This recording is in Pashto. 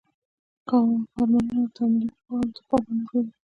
فرمانونه او تعاملي حقوق هم حقوقي منابع دي.